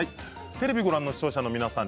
テレビをご覧の視聴者の皆さん